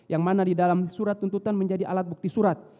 yang mana di dalam surat tuntutan menjadi alat bukti surat